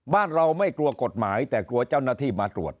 บ้านเราไม่กลัวกฎหมายแต่กลัวเจ้าหน้าที่มาตรวจ